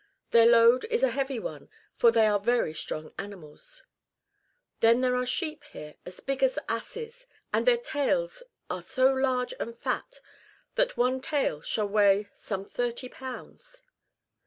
Their load is a heavy one, for they are very strong animals. Then there are sheep here as big as asses ; and their tails are so large and fat, that one tail shall weigh some 30 lbs.